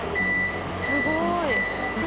すごい。